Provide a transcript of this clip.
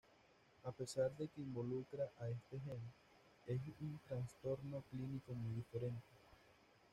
A pesar de que involucra a este gen, es un trastorno clínico muy diferente.